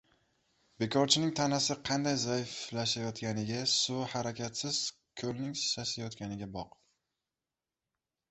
Bekorchining tanasi qanday zaiflashayotganiga, suvi harakatsiz ko‘lning sasiyotganiga boq.